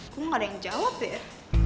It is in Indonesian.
kok gak ada yang jawab deh ya